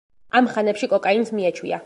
ამ ხანებში კოკაინს მიეჩვია.